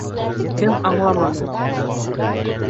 Кем аңламаны?